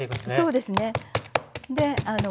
そうですね。